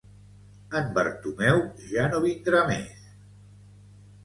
En Bartomeu ja no vindrà més